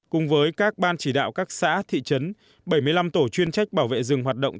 cùng với các ban chỉ đạo các xã thị trấn bảy mươi năm tổ chuyên trách bảo vệ rừng hoạt động